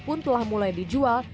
pun telah mulai dijual